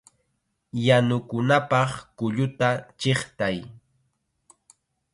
¡Yanukunapaq kulluta chiqtay!